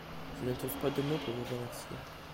Je ne trouve pas de mot pour vous remercier.